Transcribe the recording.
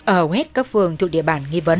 ở hết các phường thuộc địa bàn nghi vấn